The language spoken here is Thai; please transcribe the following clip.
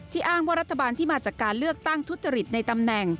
อ้างว่ารัฐบาลที่มาจากการเลือกตั้งทุจริตในตำแหน่ง